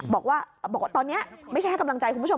บอกว่าตอนนี้ไม่ใช่ให้กำลังใจคุณผู้ชม